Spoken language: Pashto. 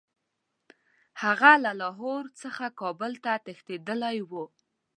هغه له لاهور څخه کابل ته تښتېتدلی وو.